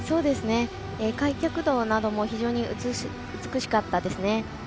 開脚度なども非常に美しかったですね。